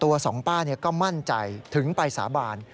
สองป้าก็มั่นใจถึงไปสาบาน